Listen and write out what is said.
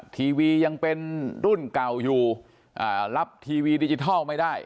ทีวียังเป็นรุ่นเก่าอยู่รับทีวีดิจิทัลไม่ได้